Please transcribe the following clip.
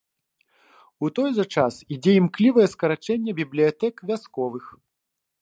У той жа час ідзе імклівае скарачэнне бібліятэк вясковых.